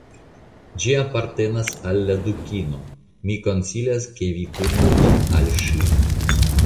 Ĝi apartenas al la Dukino; mi konsilas ke vi turnu vin al ŝi.